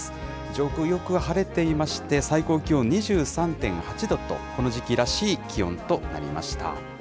上空、よく晴れていまして、最高気温２３．８度と、この時期らしい気温となりました。